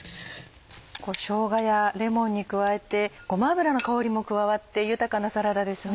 しょうがやレモンに加えてごま油の香りも加わって豊かなサラダですね。